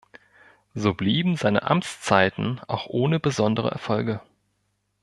So blieben seine Amtszeiten auch ohne besondere Erfolge.